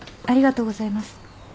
ありがとうございます。